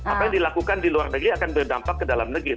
apa yang dilakukan di luar negeri akan berdampak ke dalam negeri